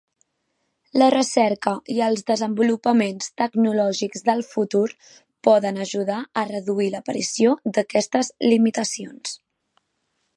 La recerca i els desenvolupaments tecnològics del futur poden ajudar a reduir l'aparició d'aquestes limitacions.